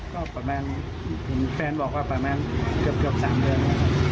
ก็ประมาณแฟนบอกว่าประมาณเกือบ๓เดือน